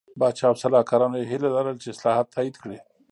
پاچا او سلاکارانو یې هیله لرله چې اصلاحات تایید کړي.